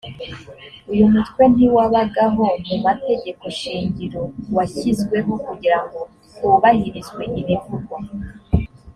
uyu mutwe ntiwabagaho mu mategeko shingiro washyizweho kugira ngo hubahirizwe ibivugwa